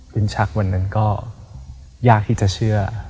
ชักวันนั้นก็ยากที่จะเชื่อ